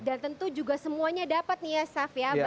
dan tentu juga semuanya dapat nih ya saf ya